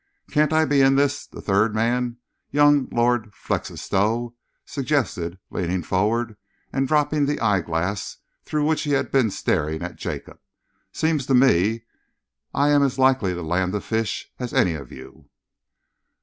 "Can't I be in this?" the third man, young Lord Felixstowe, suggested, leaning forward and dropping the eyeglass through which he had been staring at Jacob. "Seems to me I am as likely to land the fish as any of you."